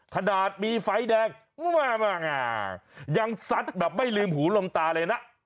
ขนาดมีไฟแดงยังซัดแบบไม่ลืมหูลมตาเลยนะ